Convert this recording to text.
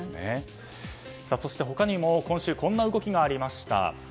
そして、他にも今週こんな動きがありました。